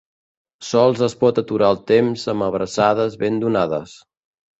Sols es pot aturar el temps amb abraçades ben donades.